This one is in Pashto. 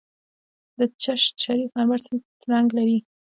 د چشت شریف مرمر څه رنګ لري؟